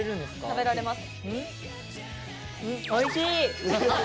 食べられます。